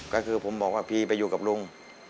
ก็คือผมบอกว่าพี่ไปอยู่กับลุง